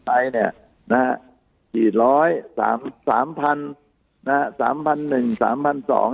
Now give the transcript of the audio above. ไอเนี่ยนะฮะสี่ร้อยสามสามพันนะฮะสามพันหนึ่งสามพันสอง